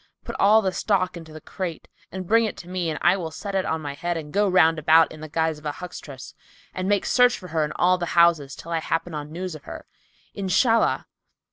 Put all the stock into the crate and bring it to me and I will set it on my head and go round about, in the guise of a huckstress and make search for her in all the houses, till I happen on news of her— Inshallah!"